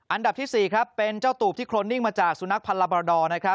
อันดับที่๔ครับเป็นเจ้าตูบที่โครนนิ่งมาจากสุนัขพันลาบาราดอร์